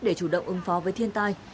để chủ động ứng phó với thiên tai